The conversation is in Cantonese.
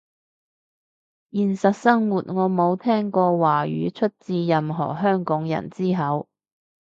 現實生活我冇聽過華語出自任何香港人之口